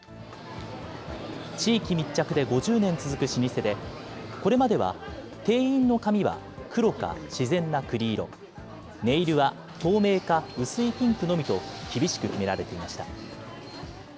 地域密着で５０年続く老舗で、これまでは店員の髪は黒か自然なくり色、ネイルは透明か薄いピンクのみと厳しく決められていました。